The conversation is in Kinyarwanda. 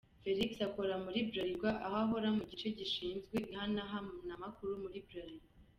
Felix akora muri Bralirwa aho akora mu gice gishinzwe ihanahanamakuru muri Bralirwa.